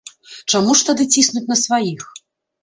Чаму ж тады ціснуць на сваіх?